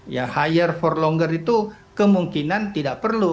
ya hire for longer itu kemungkinan tidak perlu